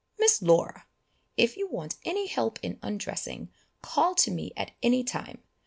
"Miss Laura! if you want any help in undressing, call to me at any time.